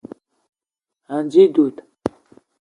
Ànji dud